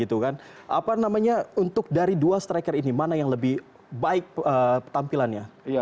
apa namanya untuk dari dua striker ini mana yang lebih baik tampilannya